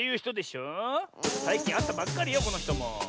さいきんあったばっかりよこのひとも。